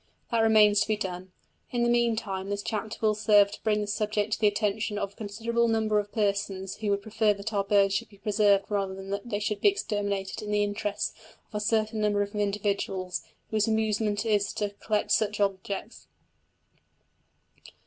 That remains to be done; in the meantime this chapter will serve to bring the subject to the attention of a considerable number of persons who would prefer that our birds should be preserved rather than that they should be exterminated in the interests of a certain number of individuals whose amusement it is to collect such objects.